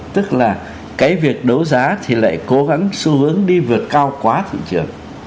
tức là cái việc đấu giá thì lại cố gắng xu hướng đi vượt cao quá thị trường